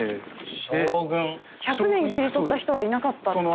１００年切り取った人はいなかったって事ですね？